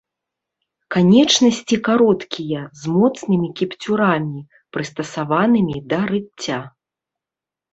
Канечнасці кароткія, з моцнымі кіпцюрамі, прыстасаванымі да рыцця.